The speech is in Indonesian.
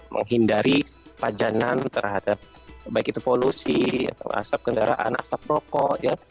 menghindari pajanan terhadap baik itu polusi atau asap kendaraan asap rokok ya